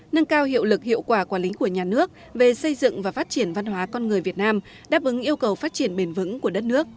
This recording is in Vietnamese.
nâng cao hiệu lực hiệu quả quản lý của nhà nước về xây dựng và phát triển văn hóa con người việt nam đáp ứng yêu cầu phát triển bền vững của đất nước